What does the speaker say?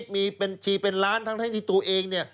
มีบัญชีเป็นล้านทั้งที่ตัวเองเนี่ย